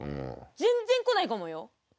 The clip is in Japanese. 全然来ないかもよ！